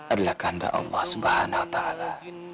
adalah kandang allah subhanahu wa ta'ala